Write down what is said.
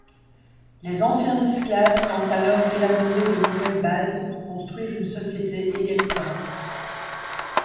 Les anciens esclaves tentent alors d'élaborer de nouvelles bases pour construire une société égalitaire.